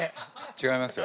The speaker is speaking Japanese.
違いますよ。